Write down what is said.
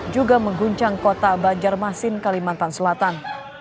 juga mengguncang kota banjarmasin kalimantan selatan